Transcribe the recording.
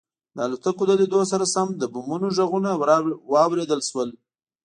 د الوتکو له لیدو سره سم د بمونو غږونه واورېدل شول